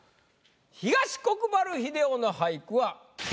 東国原英夫の俳句は。